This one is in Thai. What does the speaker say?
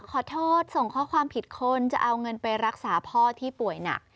ขอโทษส่งข้อความผิดคนจะเอาเงินไปรักษาพ่อที่ป่วยหนัก